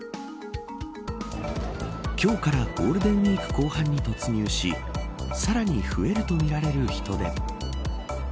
今日からゴールデンウイーク後半に突入しさらに増えるとみられる人出。